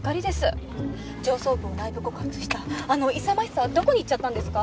上層部を内部告発したあの勇ましさはどこにいっちゃったんですか？